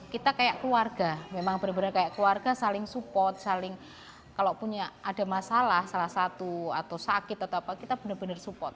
kita kayak keluarga memang benar benar kayak keluarga saling support saling kalau punya ada masalah salah satu atau sakit atau apa kita benar benar support